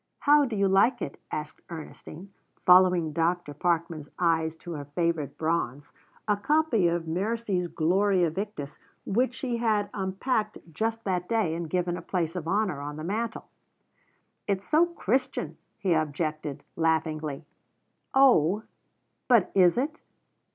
"How do you like it?" asked Ernestine, following Dr. Parkman's eyes to her favourite bronze, a copy of Mercie's Gloria Victis, which she had unpacked just that day and given a place of honour on the mantel. "It's so Christian," he objected laughingly. "Oh, but is it?"